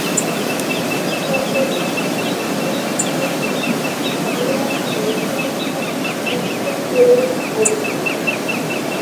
Duesberg received acclaim early in his career for research on oncogenes and cancer.